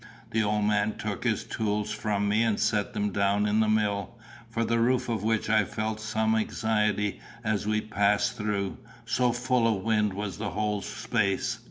The old man took his tools from me and set them down in the mill, for the roof of which I felt some anxiety as we passed through, so full of wind was the whole space.